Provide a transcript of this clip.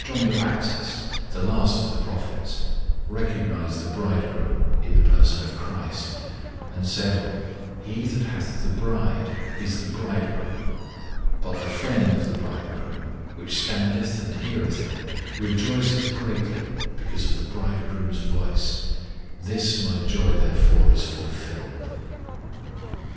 John the Baptist, the last of the prophets, recognized the Bridegroom in the person of CHRIST, and said, "He that hath the bride is the Bridegroom: but the friend of the Bridegroom, which standeth and heareth Him, rejoiceth greatly because of the Bridegroom's voice: this my joy therefore is fulfilled."